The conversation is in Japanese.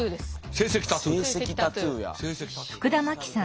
成績タトゥーです。